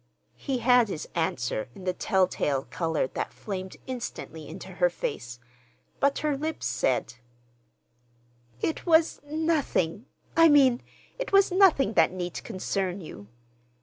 He had his answer in the telltale color that flamed instantly into her face—but her lips said:— "It was—nothing—I mean, it was nothing that need concern you."